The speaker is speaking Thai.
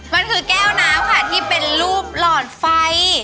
มันคือแก้วน้ำค่ะที่เป็นรูปหลอดไฟ